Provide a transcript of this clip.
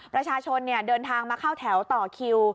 ประชาชนเดินทางมาเข้าแถวต่อคิว